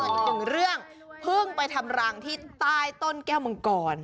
อีกหนึ่งเรื่องเพิ่งไปทำรังที่ใต้ต้นแก้วมังกร